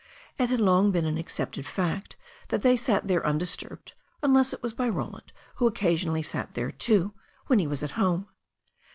It had long been an accepted fact that they sat here undisturbed, unless it was by Roland, who occasionally sat there too, when he was at home.